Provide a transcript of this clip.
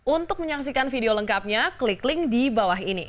untuk menyaksikan video lengkapnya klik link di bawah ini